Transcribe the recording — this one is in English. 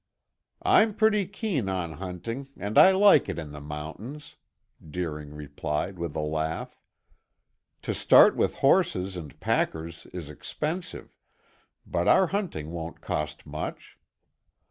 "I'm pretty keen on hunting and I like it in the mountains," Deering replied with a laugh. "To start with horses and packers is expensive, but our hunting won't cost much.